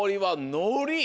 のり！